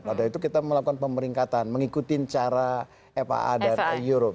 pada itu kita melakukan pemeringkatan mengikuti cara faa dan euro